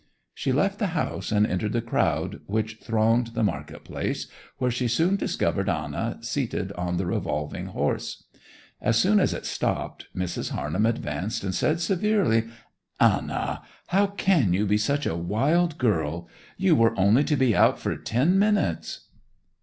She left the house and entered the crowd which thronged the market place, where she soon discovered Anna, seated on the revolving horse. As soon as it stopped Mrs. Harnham advanced and said severely, 'Anna, how can you be such a wild girl? You were only to be out for ten minutes.